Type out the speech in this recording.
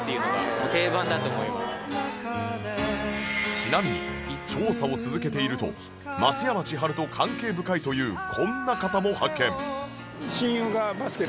ちなみに調査を続けていると松山千春と関係深いというこんな方も発見